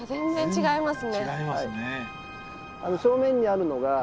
違いますね。